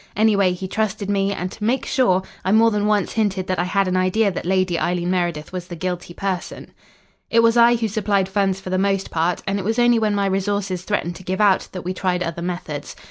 Anyway, he trusted me, and to make sure, I more than once hinted that I had an idea that Lady Eileen Meredith was the guilty person. "It was I who supplied funds for the most part, and it was only when my resources threatened to give out, that we tried other methods.